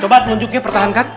coba tunjuknya pertahankan